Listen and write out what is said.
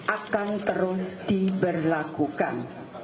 akan terus diberlakukan